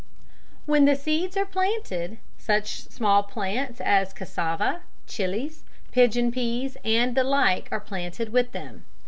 ] When the seeds are planted, such small plants as cassava, chillies, pigeon peas and the like are planted with them.